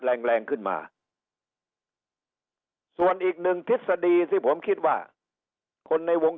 แรงแรงขึ้นมาส่วนอีกหนึ่งทฤษฎีที่ผมคิดว่าคนในวง